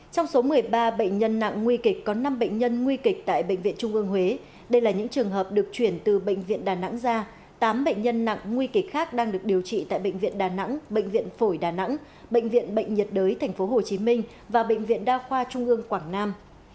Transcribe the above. trong số một mươi ba bệnh nhân nặng nguy kịch có năm bệnh nhân nguy kịch tại bệnh viện trung ương huế đây là những trường hợp được chuyển từ bệnh viện đà nẵng ra tám bệnh nhân nặng nguy kịch khác đang được điều trị tại bệnh viện đà nẵng bệnh viện phổi đà nẵng bệnh viện bệnh nhiệt đới tp hcm và bệnh viện đa khoa trung ương quảng nam